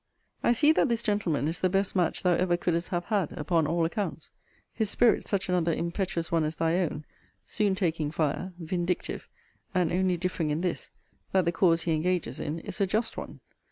I see that this gentleman is the best match thou ever couldest have had, upon all accounts: his spirit such another impetuous one as thy own; soon taking fire; vindictive; and only differing in this, that the cause he engages in is a just one.